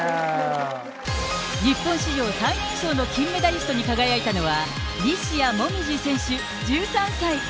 日本史上最年少の金メダリストに輝いたのは、西矢椛選手１３歳。